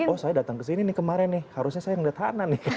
oh saya datang ke sini nih kemarin nih harusnya saya ngeliat hana nih